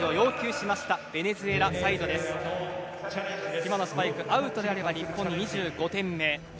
今のスパイクアウトであれば日本２５点目。